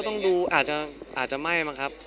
ก็ต้องดูอาจจะไม่มากครับ